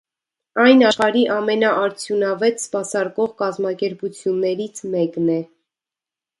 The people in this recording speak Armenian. Այն աշխարհի ամենաարդյունավետ սպասարկող կազմակերպություններից մեկն է։